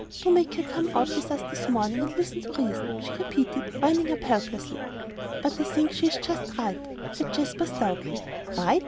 Do make her come out with us this morning, and listen to reason," she repeated, winding up helplessly. "But I think she is just right," said Jasper, stoutly. "Right!"